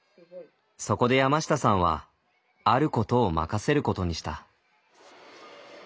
そこで山下さんはあることを任せることにした。